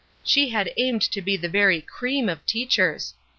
She had aimed to be the very cream of teachers.